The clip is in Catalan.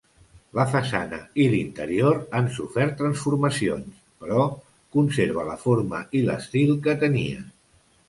La façana i l'interior ha sofert transformacions però conserva la forma i l'estil que tenia.